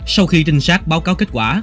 sau khi trinh sát báo cáo kết quả